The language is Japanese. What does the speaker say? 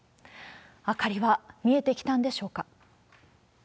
明かりは見えてきたんでしょうか。